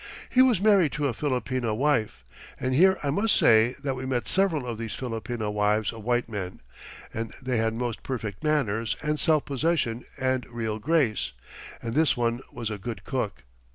He was married to a Filipina wife. And here I must say that we met several of these Filipina wives of white men, and they had most perfect manners and self possession and real grace (and this one was a good cook).